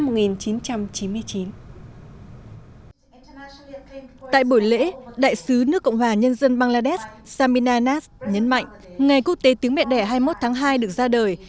tại buổi lễ đại sứ nước cộng hòa nhân dân bangladesh samina nas nhấn mạnh ngày quốc tế tiếng mẹ đẻ hai mươi một tháng hai được ra đời